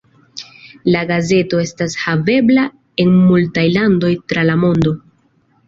La gazeto estas havebla en multaj landoj tra la mondo.